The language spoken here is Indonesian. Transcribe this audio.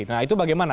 nah itu bagaimana